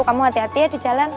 kamu hati hatinya di jalan